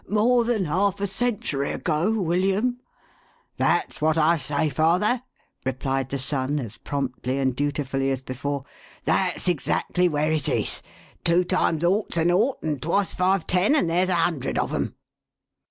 More than half a century ago, William !"" That's what I say, father," replied the son, as promptly and dutifully as before, "that's exactly where it is. Two times ought's an ought, and twice five ten, and there's a hundred of 'em."